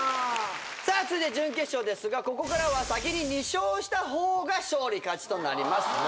さあ続いて準決勝ですがここからは先に２勝した方が勝利勝ちとなります。